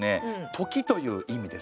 「とき」という意味ですね。